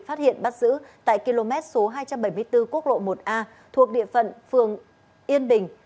phát hiện bắt giữ tại km số hai trăm bảy mươi bốn quốc lộ một a thuộc địa phận phường yên bình